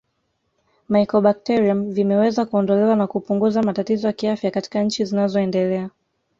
Mycobacterium vimeweza kuondolewa na kupuguza matatizo ya kiafya katika nchi zinazoendelea